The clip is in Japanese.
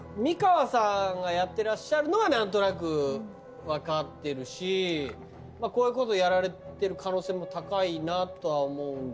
美川さんがやってらっしゃるのは何となく分かってるしこういうことやられてる可能性も高いなとは思うんだけど。